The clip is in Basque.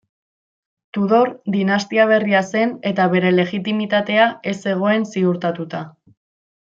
Tudor dinastia berria zen eta bere legitimitatea ez zegoen ziurtatuta.